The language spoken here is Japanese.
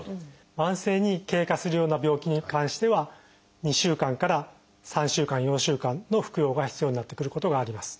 慢性に経過するような病気に関しては２週間から３週間４週間の服用が必要になってくることがあります。